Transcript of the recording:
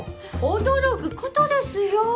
驚くことですよ。